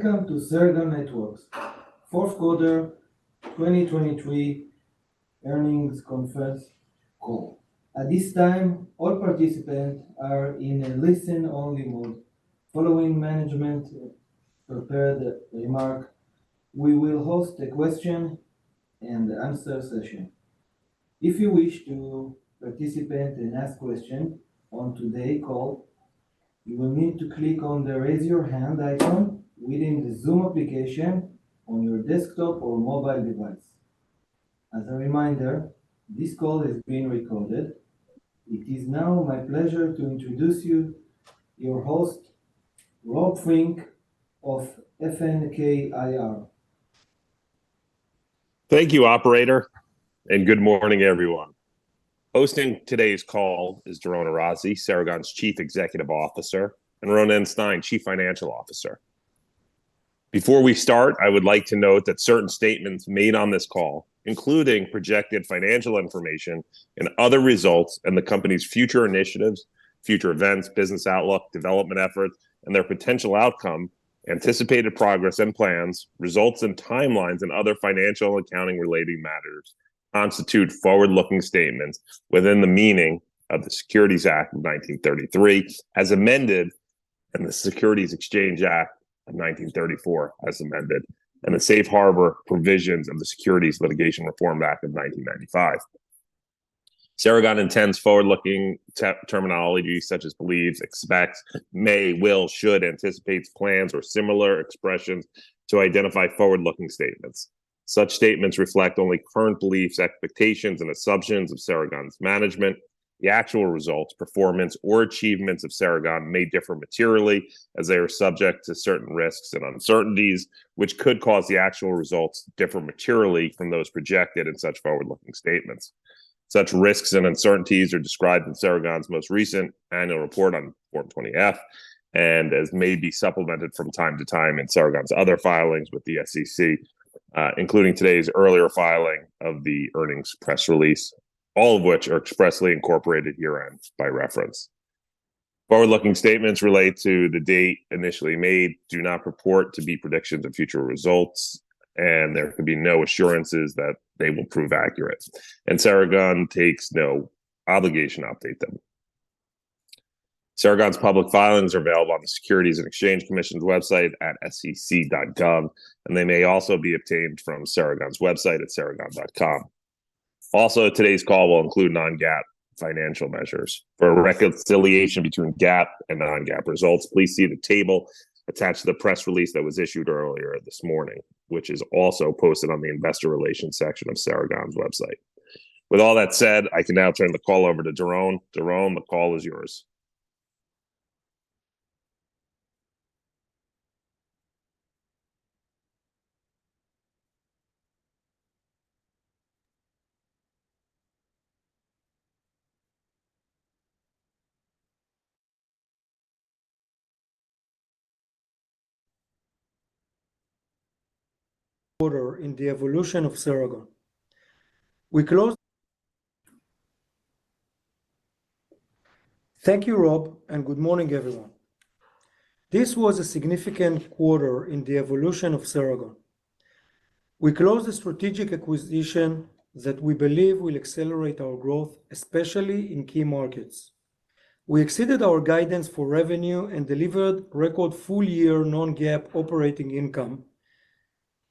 Welcome to Ceragon Networks fourth quarter 2023 earnings conference call. At this time, all participants are in a listen-only mode. Following management's prepared remark, we will host a question-and-answer session. If you wish to participate and ask questions on today's call, you will need to click on the "Raise Your Hand" icon within the Zoom application on your desktop or mobile device. As a reminder, this call is being recorded. It is now my pleasure to introduce you, your host, Rob Fink of FNK IR. Thank you, operator, and good morning, everyone. Hosting today's call is Doron Arazi, Ceragon's Chief Executive Officer, and Ronen Stein, Chief Financial Officer. Before we start, I would like to note that certain statements made on this call, including projected financial information and other results in the company's future initiatives, future events, business outlook, development efforts, and their potential outcome, anticipated progress and plans, results, and timelines in other financial and accounting-related matters, constitute forward-looking statements within the meaning of the Securities Act of 1933 as amended and the Securities Exchange Act of 1934 as amended and the Safe Harbor provisions of the Securities Litigation Reform Act of 1995. Ceragon intends forward-looking terminology such as believes, expects, may, will, should, anticipates, plans, or similar expressions to identify forward-looking statements. Such statements reflect only current beliefs, expectations, and assumptions of Ceragon's management. The actual results, performance, or achievements of Ceragon may differ materially as they are subject to certain risks and uncertainties, which could cause the actual results to differ materially from those projected in such forward-looking statements. Such risks and uncertainties are described in Ceragon's most recent annual report on Form 20-F and may be supplemented from time to time in Ceragon's other filings with the SEC, including today's earlier filing of the earnings press release, all of which are expressly incorporated here and by reference. Forward-looking statements relate to the date initially made, do not purport to be predictions of future results, and there could be no assurances that they will prove accurate, and Ceragon takes no obligation to update them. Ceragon's public filings are available on the Securities and Exchange Commission's website at sec.gov, and they may also be obtained from Ceragon's website at ceragon.com. Also, today's call will include non-GAAP financial measures. For a reconciliation between GAAP and non-GAAP results, please see the table attached to the press release that was issued earlier this morning, which is also posted on the investor relations section of Ceragon's website. With all that said, I can now turn the call over to Doron. Doron, the call is yours. Thank you, Rob, and good morning, everyone. This was a significant quarter in the evolution of Ceragon. We closed a strategic acquisition that we believe will accelerate our growth, especially in key markets. We exceeded our guidance for revenue and delivered record full-year non-GAAP operating income,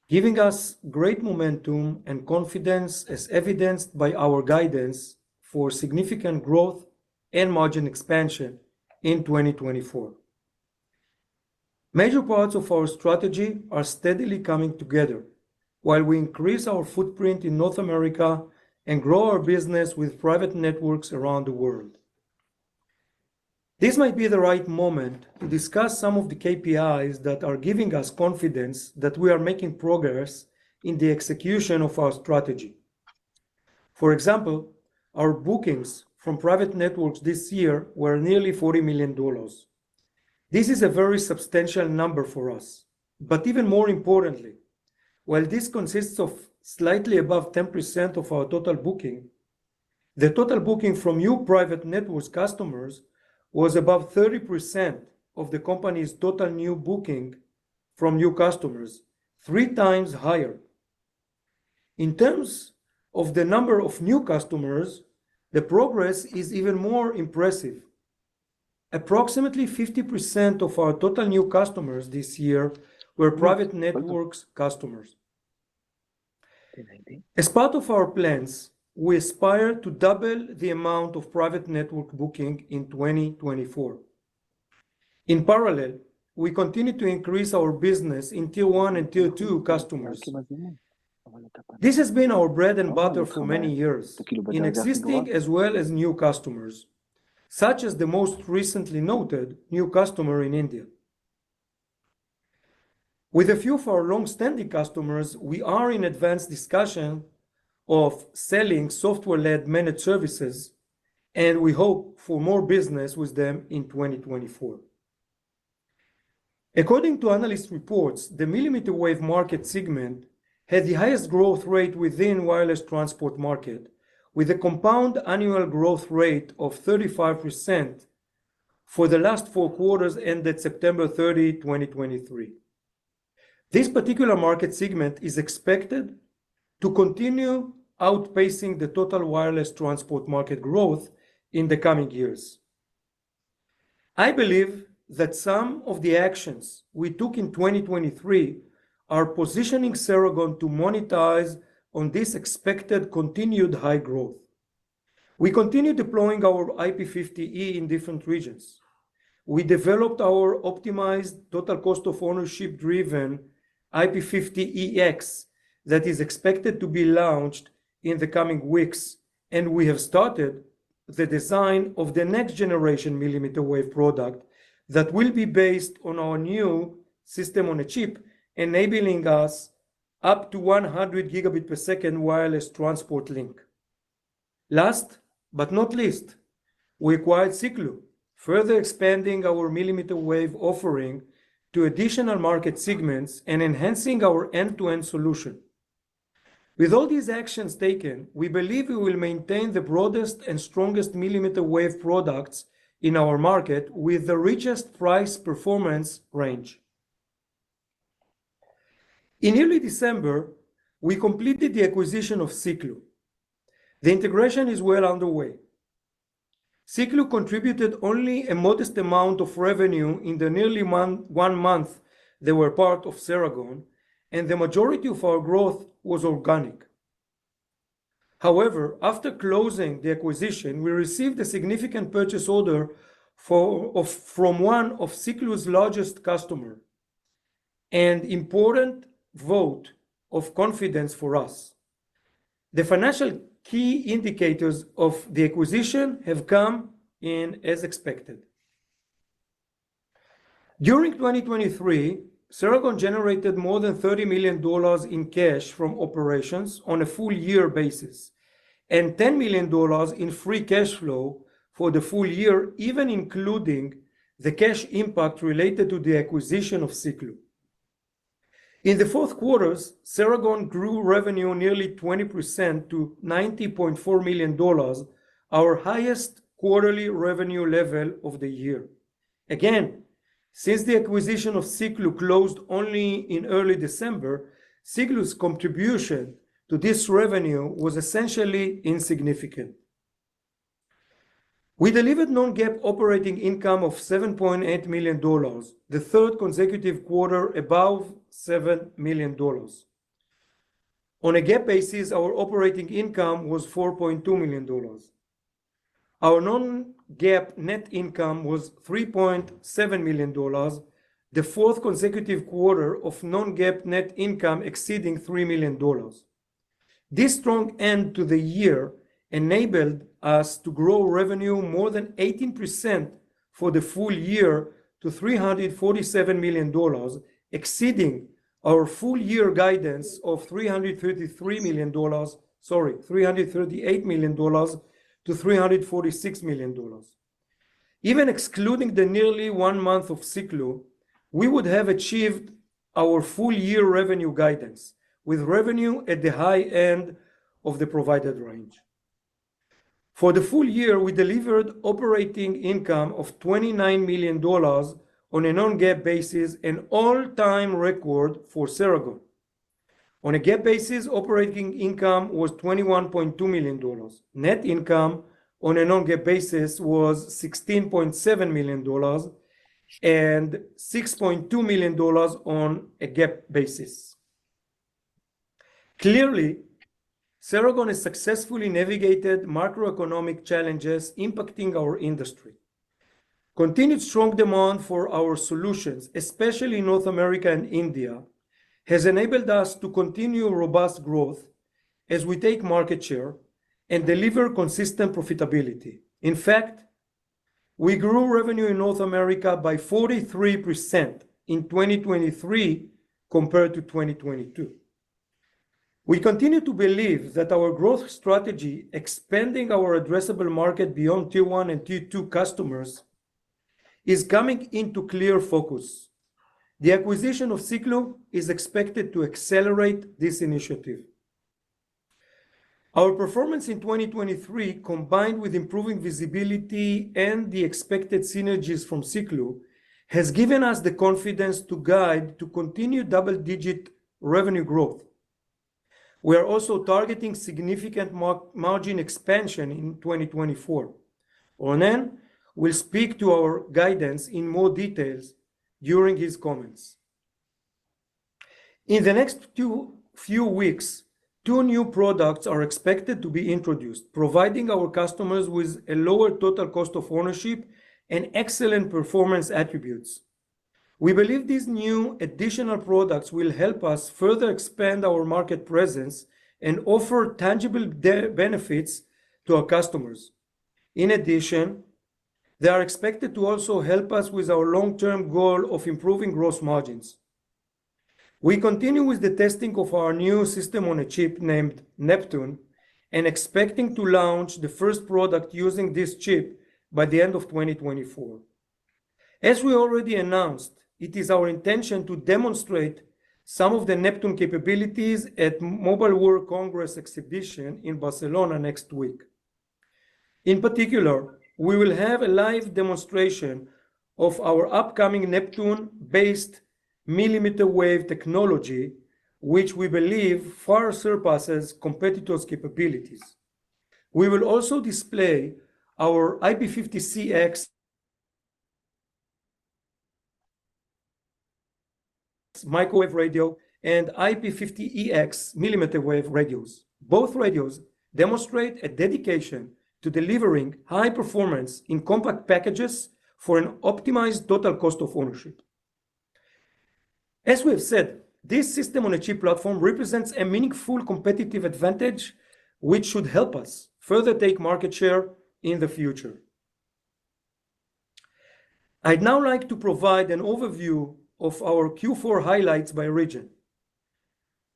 giving us great momentum and confidence as evidenced by our guidance for significant growth and margin expansion in 2024. Major parts of our strategy are steadily coming together while we increase our footprint in North America and grow our business with private networks around the world. This might be the right moment to discuss some of the KPIs that are giving us confidence that we are making progress in the execution of our strategy. For example, our bookings from private networks this year were nearly $40 million. This is a very substantial number for us. But even more importantly, while this consists of slightly above 10% of our total booking, the total booking from new private networks customers was above 30% of the company's total new booking from new customers, three times higher. In terms of the number of new customers, the progress is even more impressive. Approximately 50% of our total new customers this year were private networks customers. As part of our plans, we aspire to double the amount of private network booking in 2024. In parallel, we continue to increase our business in Tier 1 and Tier 2 customers. This has been our bread and butter for many years, in existing as well as new customers, such as the most recently noted new customer in India. With a few of our longstanding customers, we are in advanced discussion of selling software-led managed services, and we hope for more business with them in 2024. According to analyst reports, the millimeter-wave market segment had the highest growth rate within the wireless transport market, with a compound annual growth rate of 35% for the last four quarters ended September 30, 2023. This particular market segment is expected to continue outpacing the total wireless transport market growth in the coming years. I believe that some of the actions we took in 2023 are positioning Ceragon to monetize on this expected continued high growth. We continue deploying our IP-50E in different regions. We developed our optimized total cost-of-ownership-driven IP-50EX that is expected to be launched in the coming weeks, and we have started the design of the next-generation millimeter-wave product that will be based on our new system-on-a-chip, enabling us up to 100 Gbps wireless transport link. Last but not least, we acquired Siklu, further expanding our millimeter-wave offering to additional market segments and enhancing our end-to-end solution. With all these actions taken, we believe we will maintain the broadest and strongest millimeter-wave products in our market with the richest price-performance range. In early December, we completed the acquisition of Siklu. The integration is well underway. Siklu contributed only a modest amount of revenue in the nearly one month they were part of Ceragon, and the majority of our growth was organic. However, after closing the acquisition, we received a significant purchase order from one of Siklu's largest customers and an important vote of confidence for us. The financial key indicators of the acquisition have come in as expected. During 2023, Ceragon generated more than $30 million in cash from operations on a full-year basis and $10 million in free cash flow for the full year, even including the cash impact related to the acquisition of Siklu. In the fourth quarter, Ceragon grew revenue nearly 20% to $90.4 million, our highest quarterly revenue level of the year. Again, since the acquisition of Siklu closed only in early December, Siklu's contribution to this revenue was essentially insignificant. We delivered Non-GAAP operating income of $7.8 million, the third consecutive quarter above $7 million. On a GAAP basis, our operating income was $4.2 million. Our non-GAAP net income was $3.7 million, the fourth consecutive quarter of non-GAAP net income exceeding $3 million. This strong end to the year enabled us to grow revenue more than 18% for the full year to $347 million, exceeding our full-year guidance of $333 million, sorry, $338 million-$346 million. Even excluding the nearly one month of Siklu, we would have achieved our full-year revenue guidance, with revenue at the high end of the provided range. For the full year, we delivered operating income of $29 million on a non-GAAP basis, an all-time record for Ceragon. On a GAAP basis, operating income was $21.2 million. Net income on a non-GAAP basis was $16.7 million and $6.2 million on a GAAP basis. Clearly, Ceragon has successfully navigated macroeconomic challenges impacting our industry. Continued strong demand for our solutions, especially in North America and India, has enabled us to continue robust growth as we take market share and deliver consistent profitability. In fact, we grew revenue in North America by 43% in 2023 compared to 2022. We continue to believe that our growth strategy, expanding our addressable market beyond Tier 1 and Tier 2 customers, is coming into clear focus. The acquisition of Siklu is expected to accelerate this initiative. Our performance in 2023, combined with improving visibility and the expected synergies from Siklu, has given us the confidence to guide to continued double-digit revenue growth. We are also targeting significant margin expansion in 2024. Ronen will speak to our guidance in more details during his comments. In the next few weeks, two new products are expected to be introduced, providing our customers with a lower total cost of ownership and excellent performance attributes. We believe these new additional products will help us further expand our market presence and offer tangible benefits to our customers. In addition, they are expected to also help us with our long-term goal of improving gross margins. We continue with the testing of our new system-on-a-chip named Neptune and expecting to launch the first product using this chip by the end of 2024. As we already announced, it is our intention to demonstrate some of the Neptune capabilities at Mobile World Congress exhibition in Barcelona next week. In particular, we will have a live demonstration of our upcoming Neptune-based millimeter-wave technology, which we believe far surpasses competitors' capabilities. We will also display our IP-50CX microwave radio and IP-50EX millimeter-wave radios. Both radios demonstrate a dedication to delivering high performance in compact packages for an optimized total cost of ownership. As we have said, this system-on-a-chip platform represents a meaningful competitive advantage, which should help us further take market share in the future. I'd now like to provide an overview of our Q4 highlights by region,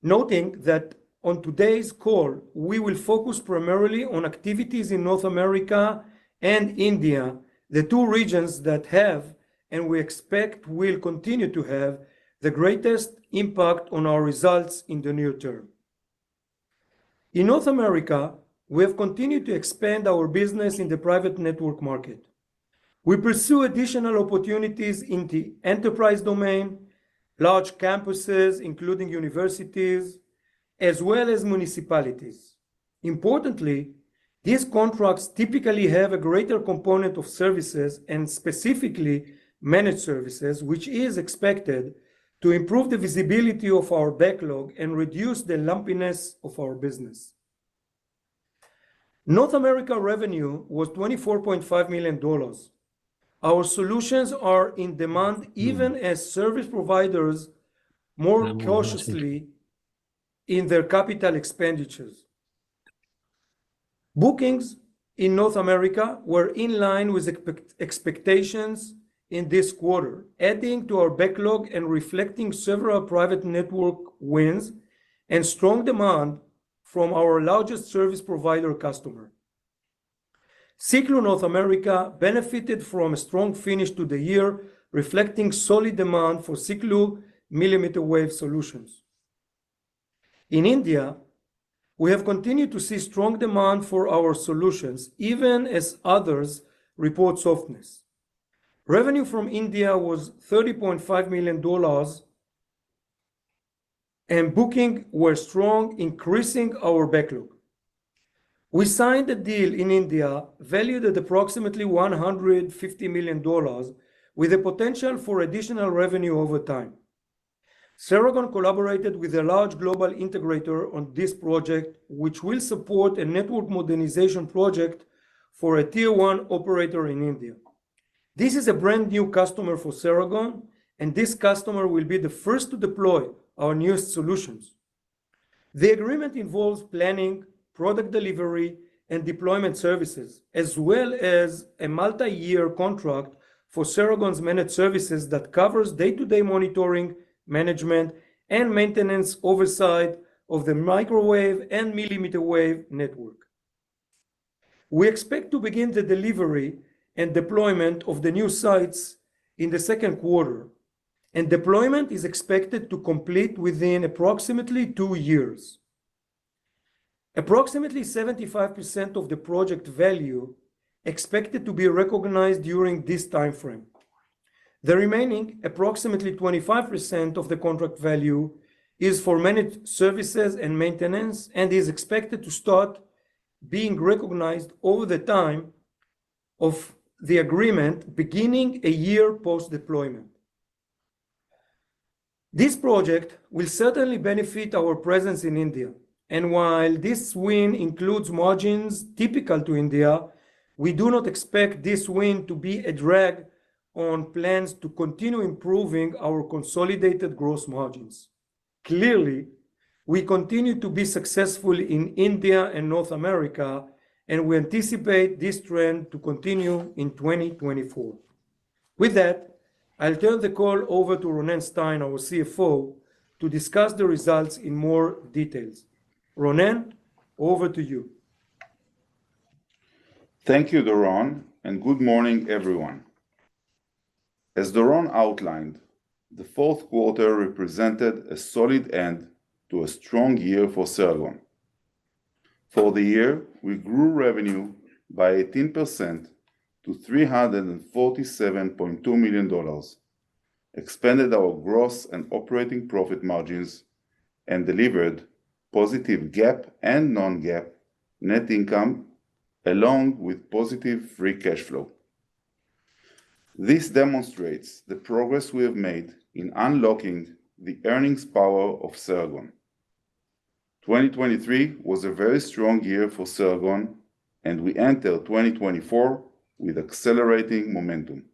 noting that on today's call, we will focus primarily on activities in North America and India, the two regions that have and we expect will continue to have the greatest impact on our results in the near term. In North America, we have continued to expand our business in the private network market. We pursue additional opportunities in the enterprise domain, large campuses, including universities, as well as municipalities. Importantly, these contracts typically have a greater component of services and specifically managed services, which is expected to improve the visibility of our backlog and reduce the lumpiness of our business. North America revenue was $24.5 million. Our solutions are in demand even as service providers more cautiously in their capital expenditures. Bookings in North America were in line with expectations in this quarter, adding to our backlog and reflecting several private network wins and strong demand from our largest service provider customer. Siklu North America benefited from a strong finish to the year, reflecting solid demand for Siklu millimeter-wave solutions. In India, we have continued to see strong demand for our solutions, even as others report softness. Revenue from India was $30.5 million, and bookings were strong, increasing our backlog. We signed a deal in India valued at approximately $150 million, with the potential for additional revenue over time. Ceragon collaborated with a large global integrator on this project, which will support a network modernization project for a Tier 1 operator in India. This is a brand-new customer for Ceragon, and this customer will be the first to deploy our newest solutions. The agreement involves planning, product delivery, and deployment services, as well as a multi-year contract for Ceragon's managed services that covers day-to-day monitoring, management, and maintenance oversight of the microwave and millimeter-wave network. We expect to begin the delivery and deployment of the new sites in the second quarter, and deployment is expected to complete within approximately two years. Approximately 75% of the project value is expected to be recognized during this time frame. The remaining, approximately 25% of the contract value is for managed services and maintenance and is expected to start being recognized over the time of the agreement, beginning a year post-deployment. This project will certainly benefit our presence in India. While this win includes margins typical to India, we do not expect this win to be a drag on plans to continue improving our consolidated gross margins. Clearly, we continue to be successful in India and North America, and we anticipate this trend to continue in 2024. With that, I'll turn the call over to Ronen Stein, our CFO, to discuss the results in more details. Ronen, over to you. Thank you, Doron. Good morning, everyone. As Doron outlined, the fourth quarter represented a solid end to a strong year for Ceragon. For the year, we grew revenue by 18% to $347.2 million, expanded our gross and operating profit margins, and delivered positive GAAP and non-GAAP net income, along with positive free cash flow. This demonstrates the progress we have made in unlocking the earnings power of Ceragon. 2023 was a very strong year for Ceragon, and we enter 2024 with accelerating momentum.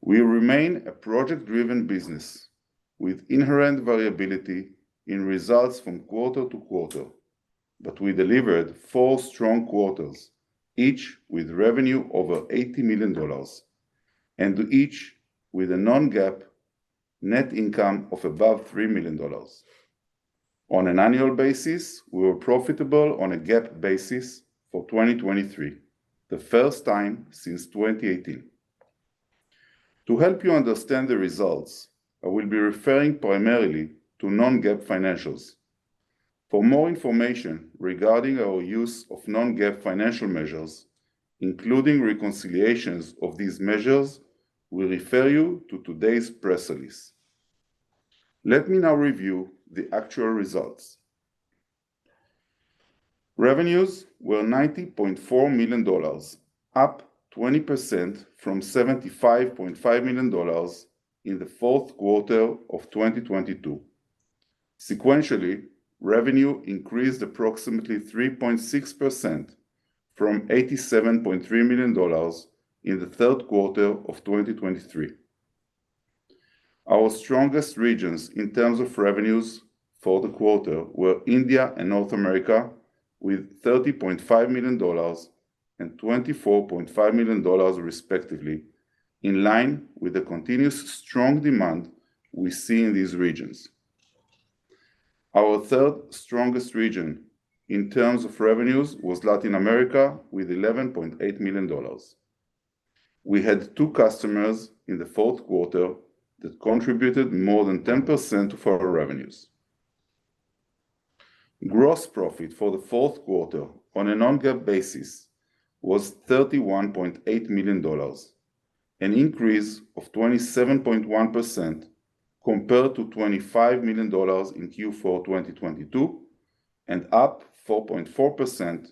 We remain a project-driven business with inherent variability in results from quarter to quarter, but we delivered four strong quarters, each with revenue over $80 million and each with a non-GAAP net income of above $3 million. On an annual basis, we were profitable on a GAAP basis for 2023, the first time since 2018. To help you understand the results, I will be referring primarily to non-GAAP financials. For more information regarding our use of non-GAAP financial measures, including reconciliations of these measures, we refer you to today's press release. Let me now review the actual results. Revenues were $90.4 million, up 20% from $75.5 million in the fourth quarter of 2022. Sequentially, revenue increased approximately 3.6% from $87.3 million in the third quarter of 2023. Our strongest regions in terms of revenues for the quarter were India and North America, with $30.5 million and $24.5 million, respectively, in line with the continuous strong demand we see in these regions. Our third strongest region in terms of revenues was Latin America, with $11.8 million. We had two customers in the fourth quarter that contributed more than 10% to our revenues. Gross profit for the fourth quarter on a Non-GAAP basis was $31.8 million, an increase of 27.1% compared to $25 million in Q4 2022, and up 4.4%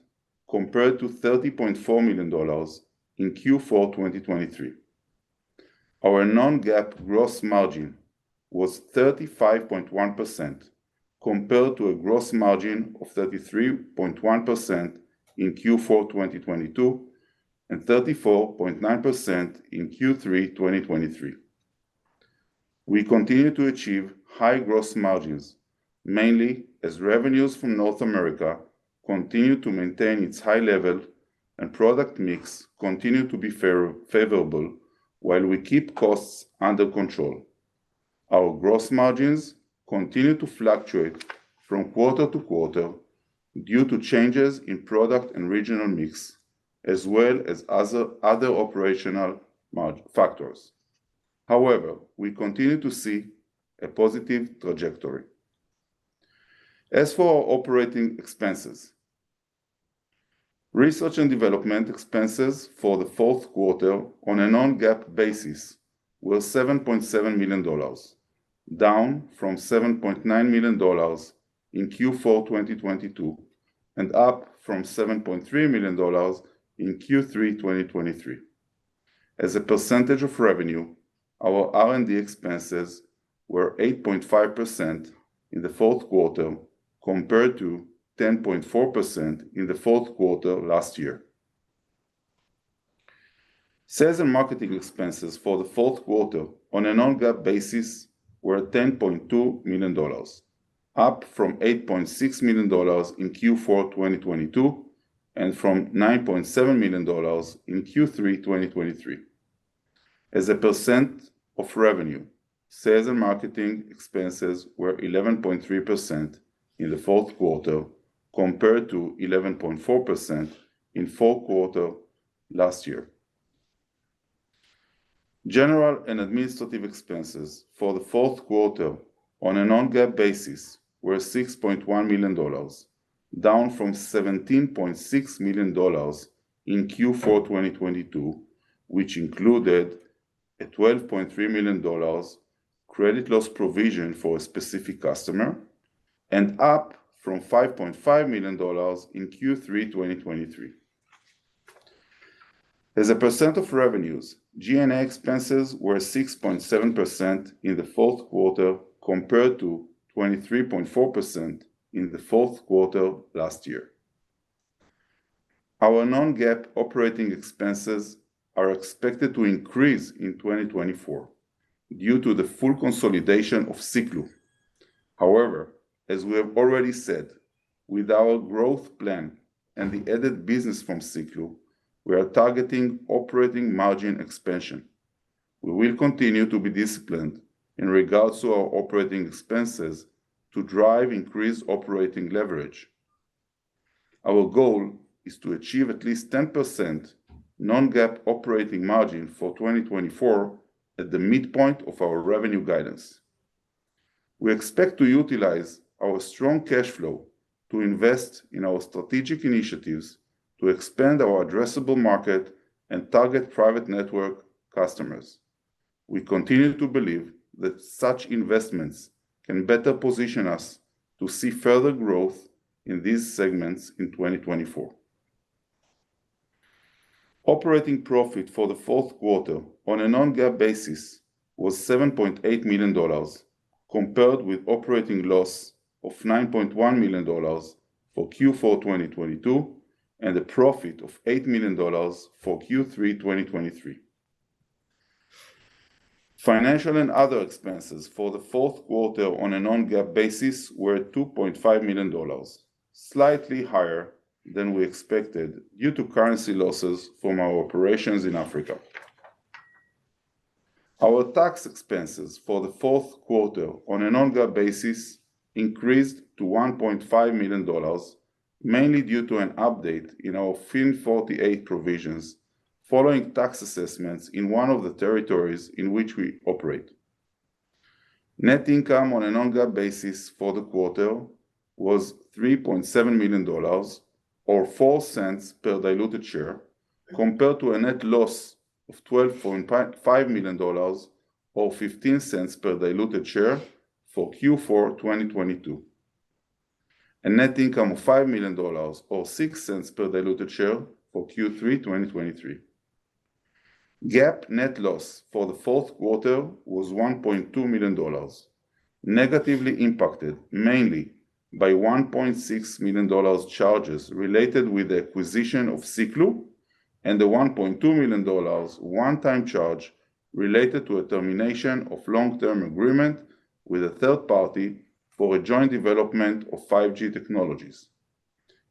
compared to $30.4 million in Q3 2023. Our Non-GAAP gross margin was 35.1% compared to a gross margin of 33.1% in Q4 2022 and 34.9% in Q3 2023. We continue to achieve high gross margins, mainly as revenues from North America continue to maintain its high level and product mix continue to be favorable while we keep costs under control. Our gross margins continue to fluctuate from quarter to quarter due to changes in product and regional mix, as well as other operational factors. However, we continue to see a positive trajectory. As for our operating expenses, research and development expenses for the fourth quarter on a non-GAAP basis were $7.7 million, down from $7.9 million in Q4 2022 and up from $7.3 million in Q3 2023. As a percentage of revenue, our R&D expenses were 8.5% in the fourth quarter compared to 10.4% in the fourth quarter last year. Sales and marketing expenses for the fourth quarter on a non-GAAP basis were $10.2 million, up from $8.6 million in Q4 2022 and from $9.7 million in Q3 2023. As a percent of revenue, sales and marketing expenses were 11.3% in the fourth quarter compared to 11.4% in the fourth quarter last year. General and administrative expenses for the fourth quarter on a non-GAAP basis were $6.1 million, down from $17.6 million in Q4 2022, which included a $12.3 million credit loss provision for a specific customer, and up from $5.5 million in Q3 2023. As a percent of revenues, G&A expenses were 6.7% in the fourth quarter compared to 23.4% in the fourth quarter last year. Our non-GAAP operating expenses are expected to increase in 2024 due to the full consolidation of Siklu. However, as we have already said, with our growth plan and the added business from Siklu, we are targeting operating margin expansion. We will continue to be disciplined in regards to our operating expenses to drive increased operating leverage. Our goal is to achieve at least 10% non-GAAP operating margin for 2024 at the midpoint of our revenue guidance. We expect to utilize our strong cash flow to invest in our strategic initiatives to expand our addressable market and target private network customers. We continue to believe that such investments can better position us to see further growth in these segments in 2024. Operating profit for the fourth quarter on a non-GAAP basis was $7.8 million compared with operating loss of $9.1 million for Q4 2022 and a profit of $8 million for Q3 2023. Financial and other expenses for the fourth quarter on a non-GAAP basis were $2.5 million, slightly higher than we expected due to currency losses from our operations in Africa. Our tax expenses for the fourth quarter on a non-GAAP basis increased to $1.5 million, mainly due to an update in our FIN 48 provisions following tax assessments in one of the territories in which we operate. Net income on a non-GAAP basis for the quarter was $3.7 million or $0.04 per diluted share compared to a net loss of $12.5 million or $0.15 per diluted share for Q4 2022. A net income of $5 million or $0.06 per diluted share for Q3 2023. GAAP net loss for the fourth quarter was $1.2 million, negatively impacted mainly by $1.6 million charges related to the acquisition of Siklu and the $1.2 million one-time charge related to a termination of long-term agreement with a third party for a joint development of 5G technologies.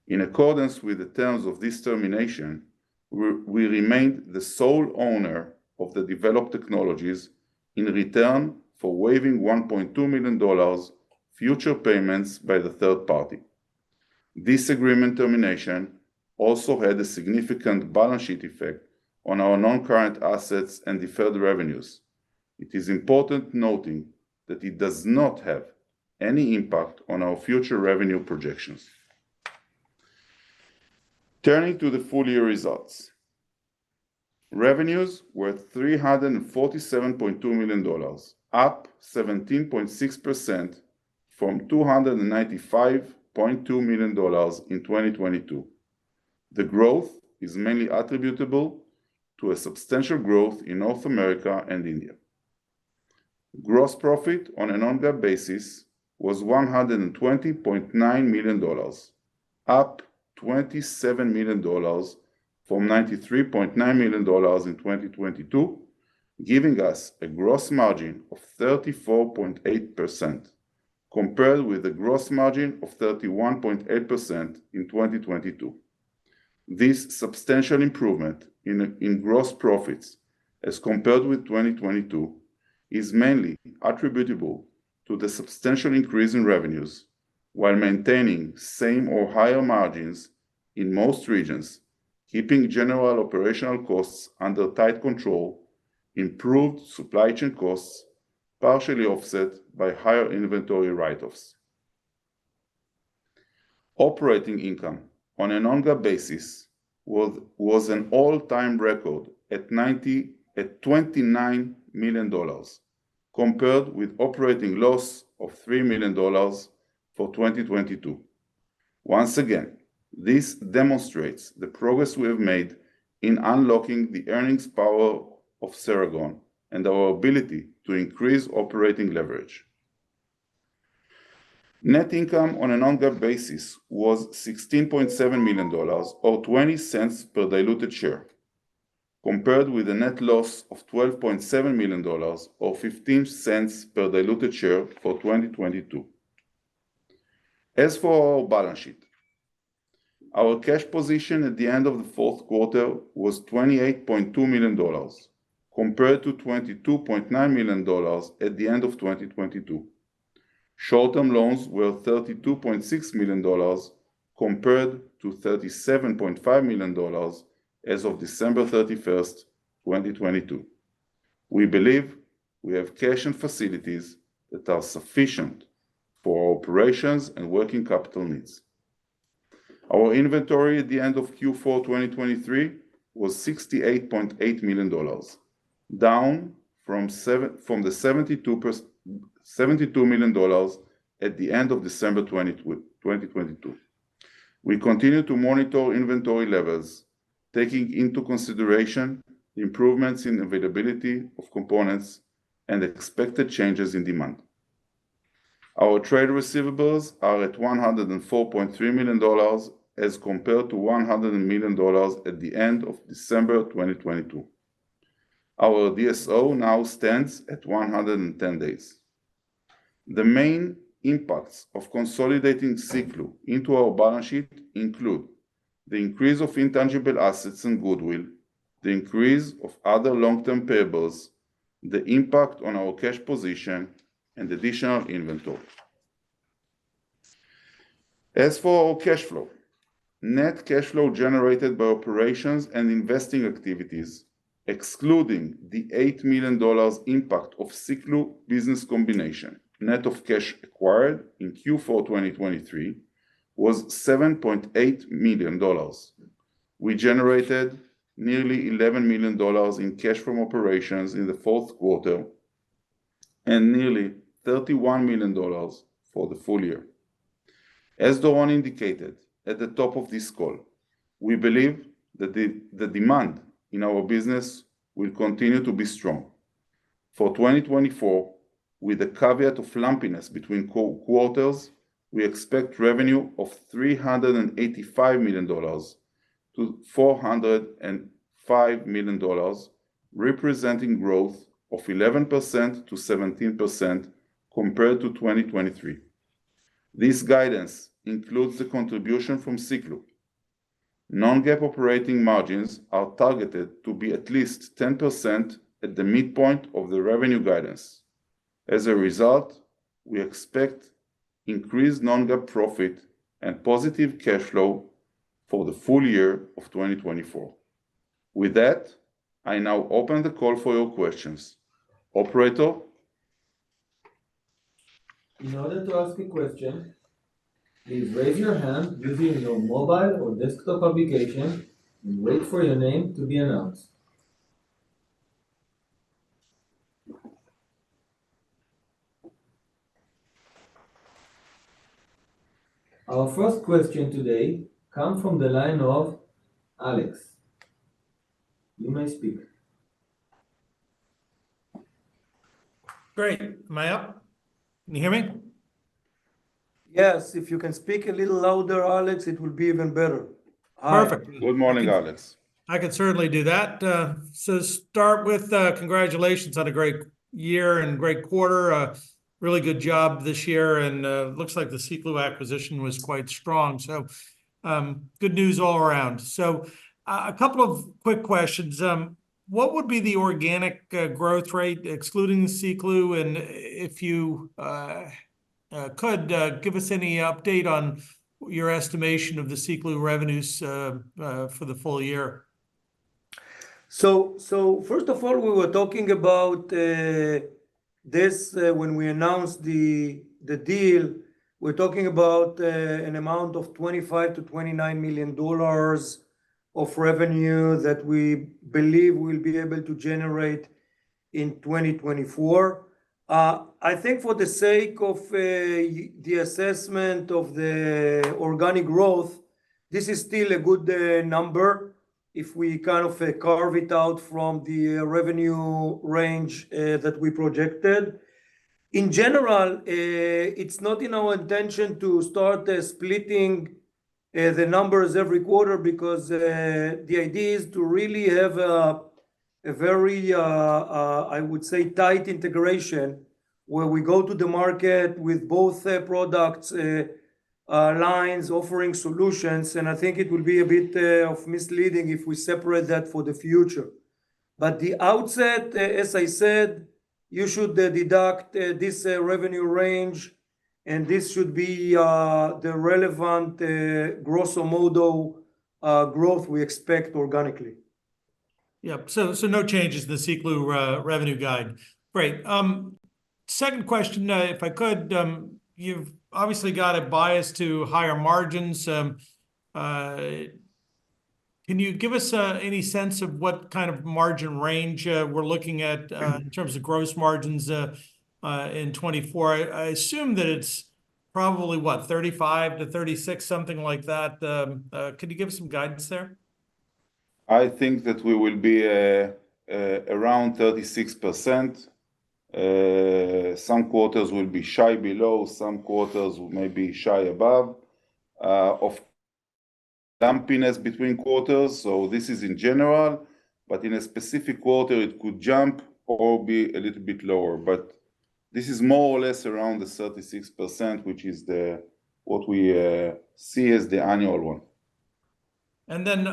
In accordance with the terms of this termination, we remained the sole owner of the developed technologies in return for waiving $1.2 million future payments by the third party. This agreement termination also had a significant balance sheet effect on our non-current assets and deferred revenues. It is important to note that it does not have any impact on our future revenue projections. Turning to the full year results. Revenues were $347.2 million, up 17.6% from $295.2 million in 2022. The growth is mainly attributable to a substantial growth in North America and India. Gross profit on a non-GAAP basis was $120.9 million, up $27 million from $93.9 million in 2022, giving us a gross margin of 34.8% compared with the gross margin of 31.8% in 2022. This substantial improvement in gross profits as compared with 2022 is mainly attributable to the substantial increase in revenues while maintaining same or higher margins in most regions, keeping general operational costs under tight control, improved supply chain costs partially offset by higher inventory write-offs. Operating income on a non-GAAP basis was an all-time record at $29 million compared with operating loss of $3 million for 2022. Once again, this demonstrates the progress we have made in unlocking the earnings power of Ceragon and our ability to increase operating leverage. Net income on a non-GAAP basis was $16.7 million or $0.20 per diluted share compared with a net loss of $12.7 million or $0.15 per diluted share for 2022. As for our balance sheet. Our cash position at the end of the fourth quarter was $28.2 million compared to $22.9 million at the end of 2022. Short-term loans were $32.6 million compared to $37.5 million as of December 31st, 2022. We believe we have cash and facilities that are sufficient for our operations and working capital needs. Our inventory at the end of Q4 2023 was $68.8 million, down from the $72 million at the end of December 2022. We continue to monitor inventory levels, taking into consideration improvements in availability of components and expected changes in demand. Our trade receivables are at $104.3 million as compared to $100 million at the end of December 2022. Our DSO now stands at 110 days. The main impacts of consolidating Siklu into our balance sheet include the increase of intangible assets and goodwill, the increase of other long-term payables, the impact on our cash position, and additional inventory. As for our cash flow, net cash flow generated by operations and investing activities, excluding the $8 million impact of Siklu business combination, net of cash acquired in Q4 2023, was $7.8 million. We generated nearly $11 million in cash from operations in the fourth quarter and nearly $31 million for the full year. As Doron indicated at the top of this call, we believe that the demand in our business will continue to be strong. For 2024, with the caveat of lumpiness between quarters, we expect revenue of $385 million-$405 million, representing growth of 11%-17% compared to 2023. This guidance includes the contribution from Siklu. Non-GAAP operating margins are targeted to be at least 10% at the midpoint of the revenue guidance. As a result, we expect increased non-GAAP profit and positive cash flow for the full year of 2024. With that, I now open the call for your questions. Operator? In order to ask a question, please raise your hand using your mobile or desktop application and wait for your name to be announced. Our first question today comes from the line of Alex. You may speak. Great. Am I up? Can you hear me? Yes, if you can speak a little louder, Alex, it will be even better. Perfect. Good morning, Alex. I can certainly do that. So start with congratulations on a great year and great quarter. Really good job this year, and it looks like the Siklu acquisition was quite strong. So good news all around. So a couple of quick questions. What would be the organic growth rate, excluding Siklu, and if you could give us any update on your estimation of the Siklu revenues for the full year? So first of all, we were talking about this, when we announced the deal, we're talking about an amount of $25-$29 million of revenue that we believe we'll be able to generate in 2024. I think for the sake of the assessment of the organic growth, this is still a good number if we kind of carve it out from the revenue range that we projected. In general, it's not in our intention to start splitting the numbers every quarter because the idea is to really have a very, I would say, tight integration where we go to the market with both product lines offering solutions, and I think it will be a bit of misleading if we separate that for the future. But at the outset, as I said, you should deduct this revenue range, and this should be the relevant grosso modo growth we expect organically. Yeah, so no changes to the Siklu revenue guide. Great. Second question, if I could, you've obviously got a bias to higher margins. Can you give us any sense of what kind of margin range we're looking at in terms of gross margins in 2024? I assume that it's probably, what, 35%-36%, something like that. Could you give us some guidance there? I think that we will be around 36%. Some quarters will be shy below, some quarters will maybe shy above of lumpiness between quarters. So this is in general, but in a specific quarter, it could jump or be a little bit lower. But this is more or less around the 36%, which is what we see as the annual one. And then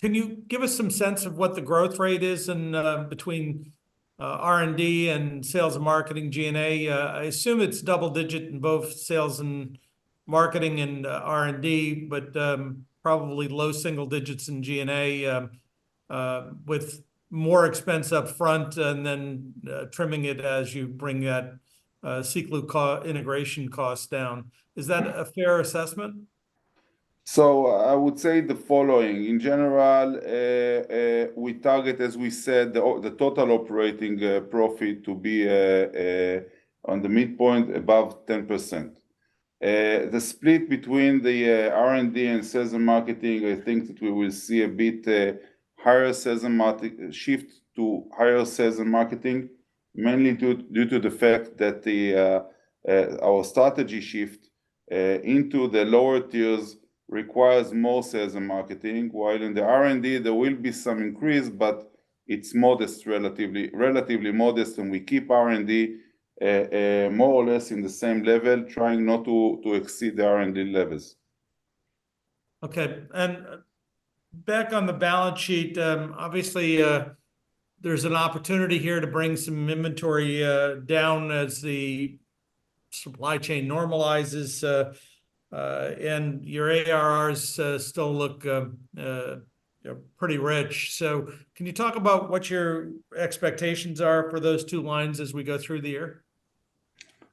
can you give us some sense of what the growth rate is between R&D and sales and marketing, G&A? I assume it's double-digit in both sales and marketing and R&D, but probably low single digits in G&A with more expense upfront and then trimming it as you bring that Siklu integration cost down. Is that a fair assessment? So I would say the following. In general, we target, as we said, the total operating profit to be on the midpoint above 10%. The split between the R&D and sales and marketing, I think that we will see a bit higher sales and shift to higher sales and marketing, mainly due to the fact that our strategy shift into the lower tiers requires more sales and marketing, while in the R&D, there will be some increase, but it's modest, relatively modest, and we keep R&D more or less in the same level, trying not to exceed the R&D levels. Okay. And back on the balance sheet, obviously, there's an opportunity here to bring some inventory down as the supply chain normalizes, and your ARRs still look pretty rich. So can you talk about what your expectations are for those two lines as we go through the year?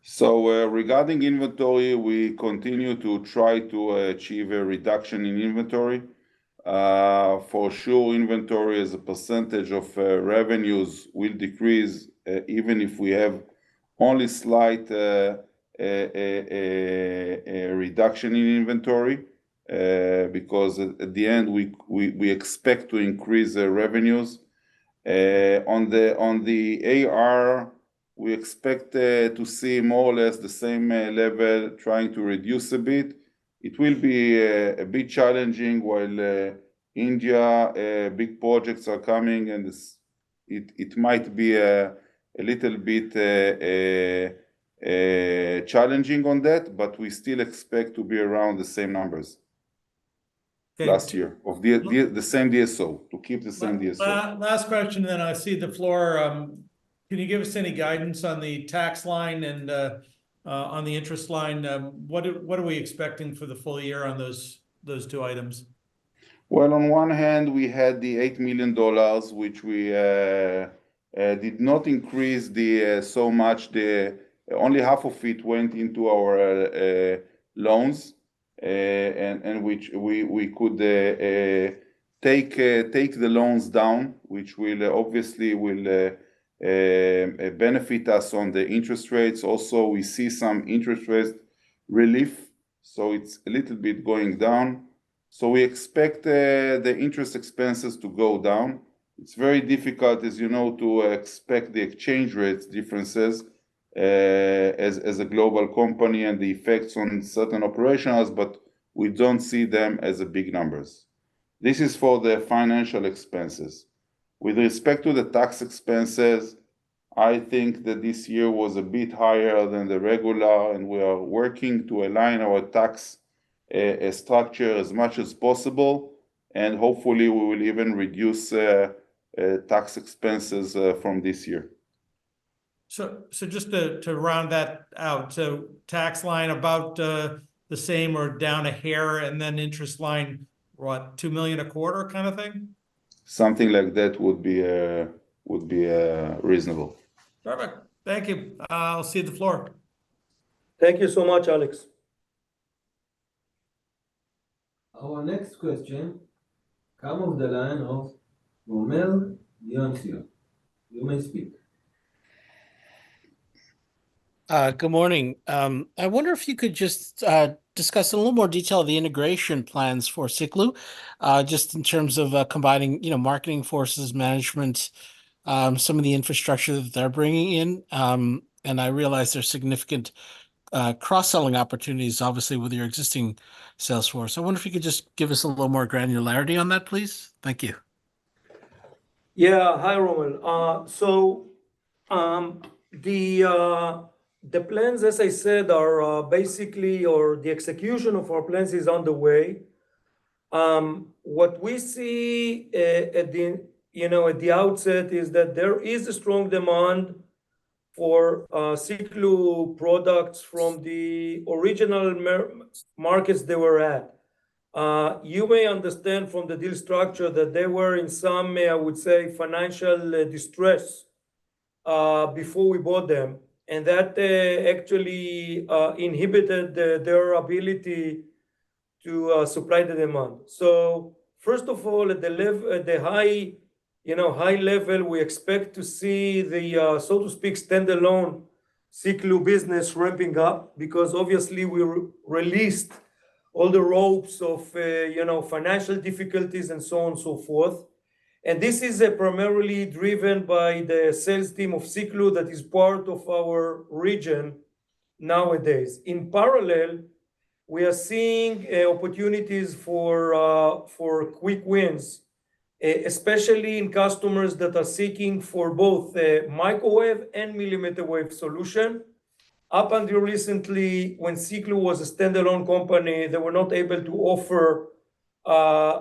So regarding inventory, we continue to try to achieve a reduction in inventory. For sure, inventory as a percentage of revenues will decrease even if we have only slight reduction in inventory because at the end, we expect to increase revenues. On the AR, we expect to see more or less the same level, trying to reduce a bit. It will be a bit challenging while India big projects are coming, and it might be a little bit challenging on that, but we still expect to be around the same numbers last year of the same DSO, to keep the same DSO. Last question then. I see the floor. Can you give us any guidance on the tax line and on the interest line? What are we expecting for the full year on those two items? Well, on one hand, we had the $8 million, which we did not increase so much. Only half of it went into our loans, and which we could take the loans down, which obviously will benefit us on the interest rates. Also, we see some interest rate relief, so it's a little bit going down. So we expect the interest expenses to go down. It's very difficult, as you know, to expect the exchange rate differences as a global company and the effects on certain operations, but we don't see them as big numbers. This is for the financial expenses. With respect to the tax expenses, I think that this year was a bit higher than the regular, and we are working to align our tax structure as much as possible, and hopefully, we will even reduce tax expenses from this year. So just to round that out, so tax line about the same or down a hair, and then interest line, what, $2 million a quarter kind of thing? Something like that would be reasonable. Perfect. Thank you. I'll see you at the floor. Thank you so much, Alex. Our next question comes from the line of Rommel Dionisio. You may speak. Good morning. I wonder if you could just discuss in a little more detail the integration plans for Siklu, just in terms of combining marketing forces, management, some of the infrastructure that they're bringing in. And I realize there's significant cross-selling opportunities, obviously, with your existing sales force. I wonder if you could just give us a little more granularity on that, please. Thank you. Yeah, hi, Rommel. So the plans, as I said, are basically or the execution of our plans is on the way. What we see at the outset is that there is a strong demand for Siklu products from the original markets they were at. You may understand from the deal structure that they were in some, I would say, financial distress before we bought them, and that actually inhibited their ability to supply the demand. So first of all, at the high level, we expect to see the, so to speak, standalone Siklu business ramping up because obviously, we released all the ropes of financial difficulties and so on and so forth. And this is primarily driven by the sales team of Siklu that is part of our region nowadays. In parallel, we are seeing opportunities for quick wins, especially in customers that are seeking for both microwave and millimeter-wave solution. Up until recently, when Siklu was a standalone company, they were not able to offer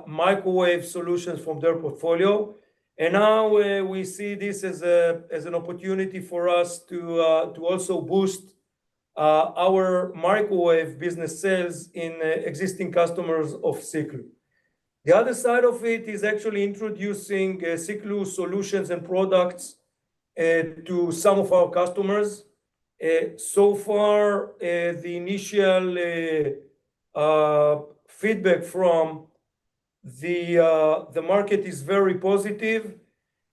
microwave solutions from their portfolio. Now we see this as an opportunity for us to also boost our microwave business sales in existing customers of Siklu. The other side of it is actually introducing Siklu solutions and products to some of our customers. So far, the initial feedback from the market is very positive,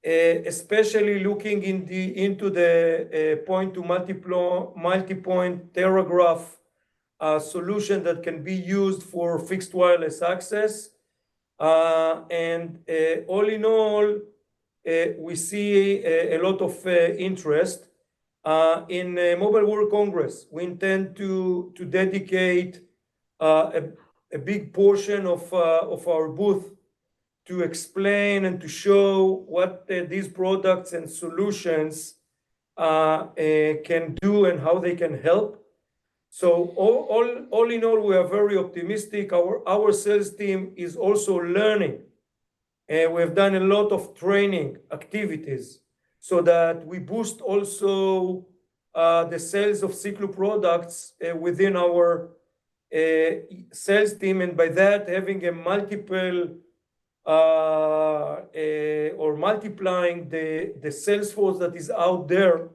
especially looking into the point-to-multipoint, multipoint, Terragraph solution that can be used for fixed wireless access. All in all, we see a lot of interest. In Mobile World Congress, we intend to dedicate a big portion of our booth to explain and to show what these products and solutions can do and how they can help. All in all, we are very optimistic. Our sales team is also learning. We have done a lot of training activities so that we boost also the sales of Siklu products within our sales team. And by that, having a multiple or multiplying the sales force that is out there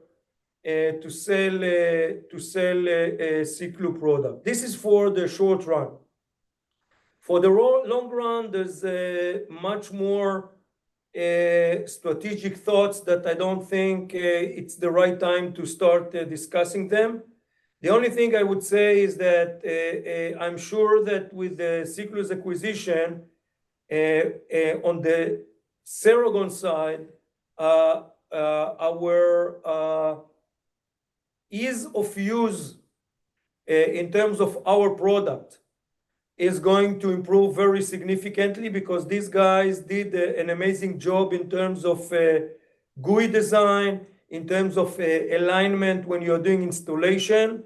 to sell Siklu products. This is for the short run. For the long run, there's much more strategic thoughts that I don't think it's the right time to start discussing them. The only thing I would say is that I'm sure that with Siklu's acquisition on the Ceragon side, our ease of use in terms of our product is going to improve very significantly because these guys did an amazing job in terms of GUI design, in terms of alignment when you're doing installation.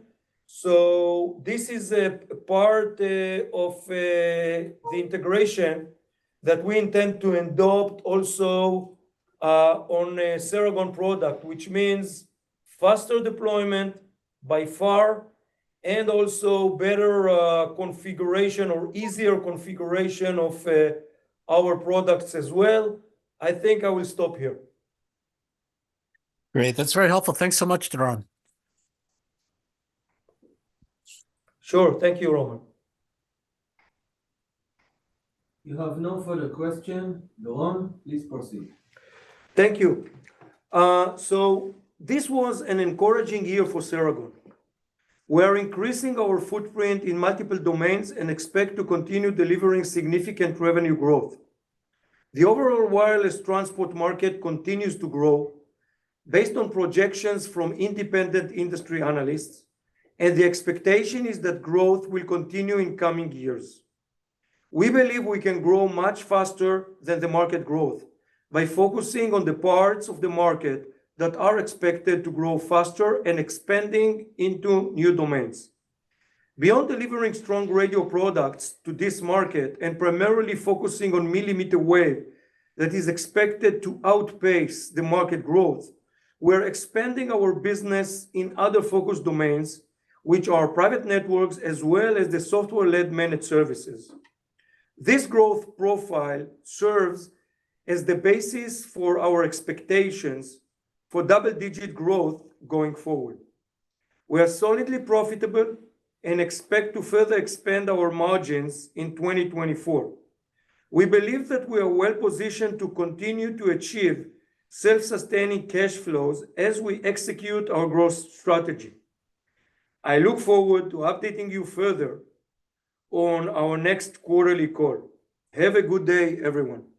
So this is a part of the integration that we intend to adopt also on Ceragon product, which means faster deployment by far and also better configuration or easier configuration of our products as well. I think I will stop here. Great. That's very helpful. Thanks so much, Doron. Sure. Thank you, Rommel. You have no further question. Doron, please proceed. Thank you. So this was an encouraging year for Ceragon. We are increasing our footprint in multiple domains and expect to continue delivering significant revenue growth. The overall wireless transport market continues to grow based on projections from independent industry analysts, and the expectation is that growth will continue in coming years. We believe we can grow much faster than the market growth by focusing on the parts of the market that are expected to grow faster and expanding into new domains. Beyond delivering strong radio products to this market and primarily focusing on millimeter-wave that is expected to outpace the market growth, we're expanding our business in other focus domains, which are private networks as well as the software-led managed services. This growth profile serves as the basis for our expectations for double-digit growth going forward. We are solidly profitable and expect to further expand our margins in 2024. We believe that we are well positioned to continue to achieve self-sustaining cash flows as we execute our growth strategy. I look forward to updating you further on our next quarterly call. Have a good day, everyone.